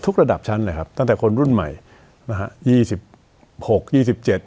ระดับชั้นเลยครับตั้งแต่คนรุ่นใหม่นะฮะยี่สิบหกยี่สิบเจ็ด